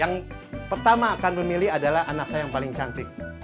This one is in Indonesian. yang pertama akan memilih adalah anak saya yang paling cantik